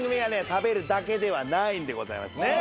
食べるだけではないんでございますね。